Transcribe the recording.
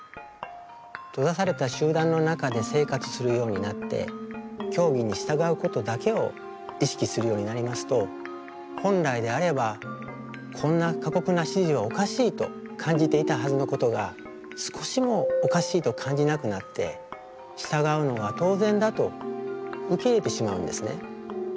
閉ざされた集団の中で生活するようになって教義に従うことだけを意識するようになりますと本来であればこんな過酷な指示はおかしいと感じていたはずのことが少しもおかしいと感じなくなって従うのが当然だと受け入れてしまうんですね。